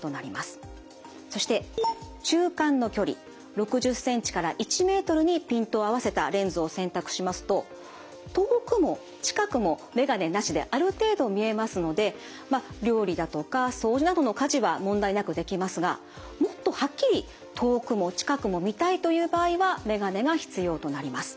そして中間の距離６０ｃｍから１ｍにピントを合わせたレンズを選択しますと遠くも近くも眼鏡なしである程度見えますのでまあ料理だとか掃除などの家事は問題なくできますがもっとはっきり遠くも近くも見たいという場合は眼鏡が必要となります。